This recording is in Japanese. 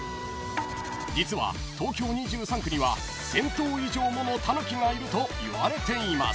［実は東京２３区には１，０００頭以上ものタヌキがいるといわれています］